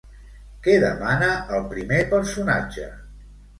Què demana el primer personatge?